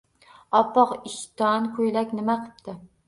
— Oppoq ishton-ko‘ylak. Nima qipti?